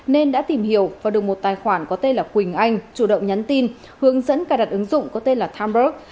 nên đã tìm hiểu và được một tài khoản có tên là quỳnh anh chủ động nhắn tin hướng dẫn cài đặt ứng dụng có tên là timberg